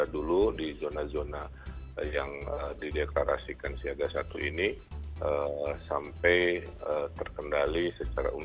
dulu di zona zona yang dideklarasikan siaga satu ini sampai terkendali secara umum